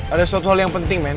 ada suatu hal yang penting men